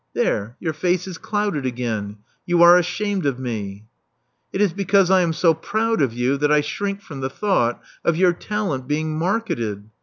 There, your face is clouded again. You are ashamed of me." It is because I am so proud of you that I shrink from the thought of your talent being marketed.